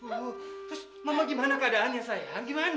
terus mama gimana keadaannya sayang gimana